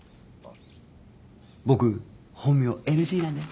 僕本名ＮＧなんで。